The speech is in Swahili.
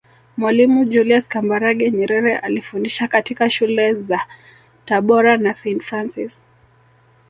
Mwalimu Julius Kambarage Nyerere alifundisha katika Shule za Tabora na Saint Francis